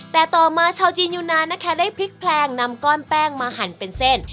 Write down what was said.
แต่ต่อมาชาวจีนยูนานนะคะได้พลิกแพลงนำก้อนแป้งมาหั่นเป็นเส้น